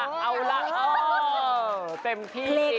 โอ้เต็มที่สิ